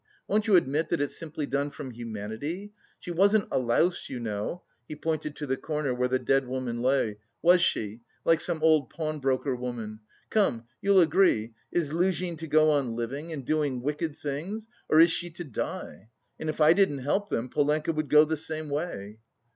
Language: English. Won't you admit that it's simply done from humanity? She wasn't 'a louse,' you know" (he pointed to the corner where the dead woman lay), "was she, like some old pawnbroker woman? Come, you'll agree, is Luzhin to go on living, and doing wicked things or is she to die? And if I didn't help them, Polenka would go the same way."